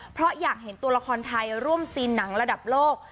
เพราะอยากเห็นตัวละครไทยร่วมซีนหนังระดับโลก